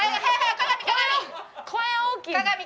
声大きい。